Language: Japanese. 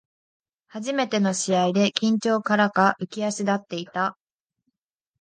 初めての試合で緊張からか浮き足立っていた